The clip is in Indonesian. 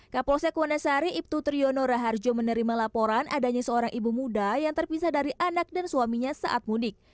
kapolsek wandasari ibtu triyono raharjo menerima laporan adanya seorang ibu muda yang terpisah dari anak dan suaminya saat mudik